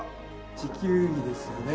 地球儀ですよね。